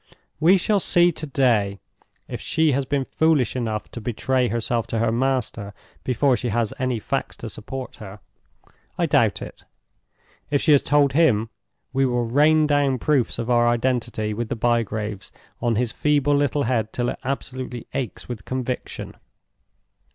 We shall see to day if she has been foolish enough to betray herself to her master before she has any facts to support her. I doubt it. If she has told him, we will rain down proofs of our identity with the Bygraves on his feeble little head till it absolutely aches with conviction.